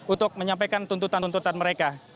untuk menyampaikan tuntutan tuntutan mereka